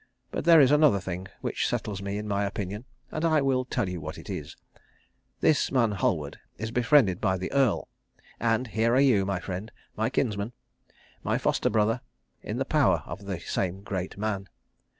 But there is another thing, which settles me in my opinion, and I will tell you what it is. This man Halward is befriended by the Earl; and here are you, my friend, my kinsman, my foster brother, in the power of the same great man.